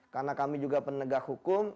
karena kami juga penegak hukum